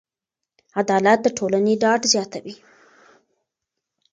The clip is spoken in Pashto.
عدالت د ټولنې ډاډ زیاتوي.